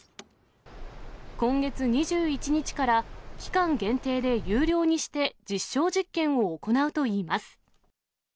今月２１日から、期間限定で有料にして実証実験を行うといいます。